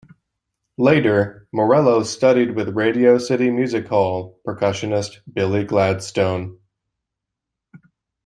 Later, Morello studied with Radio City Music Hall percussionist Billy Gladstone.